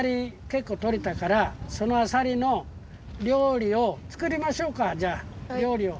けっこうとれたからそのあさりの料理をつくりましょうかじゃあ料理を。